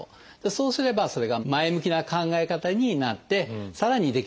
そうすればそれが前向きな考え方になってさらにできることが増えると。